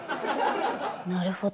なるほど。